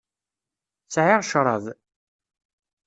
Sɛiɣ ccṛab.